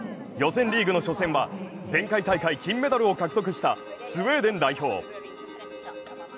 予選リーグの初戦は前回大会金メダルを獲得したスウェーデン代表。